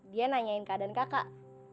dia nanyain kak dan kakak